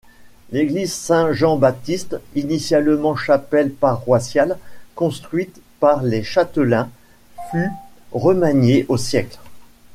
L'église Saint-Jean-Baptiste, initialement chapelle paroissiale construite par les châtelains, fut remaniée au siècle.